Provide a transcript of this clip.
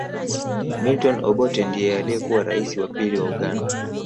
Milton Obote ndiye aliyekuwa raisi wa pili wa Uganda